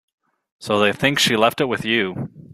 So they think she left it with you.